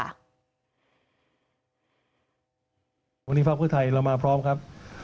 วันนี้ภาคเพื่อไทยเรามาพร้อมครับ